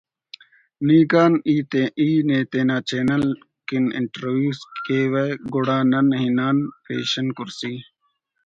نی کان ای نے تینا چینل کن انٹریو اس کیوہ گڑا نن ہنان پیشن کرسی